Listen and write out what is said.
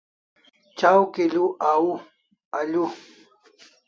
Chaw kilo alu